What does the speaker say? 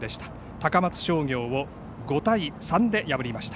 高松商業を５対３で破りました。